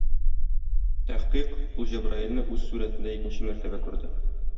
Тәхкыйк, ул Җәбраилне үз сурәтендә икенче мәртәбә күрде.